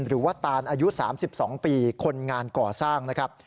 ตานอายุ๓๒ปีคนงานก่อสร้างนะครับ